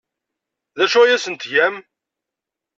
D acu ay asent-tgam?